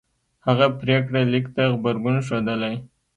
هغه پرېکړه لیک ته غبرګون ښودلی